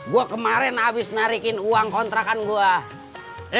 gue kemaren abis narikin uang kontrakan gue